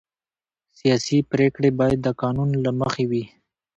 سیاسي پرېکړې باید د قانون له مخې وي